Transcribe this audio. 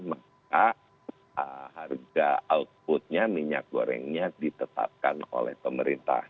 maka harga outputnya minyak gorengnya ditetapkan oleh pemerintah